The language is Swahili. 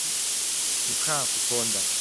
Puuka kukonda